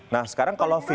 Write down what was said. nah sekarang kalau fit